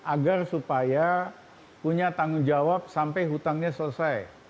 agar supaya punya tanggung jawab sampai hutangnya selesai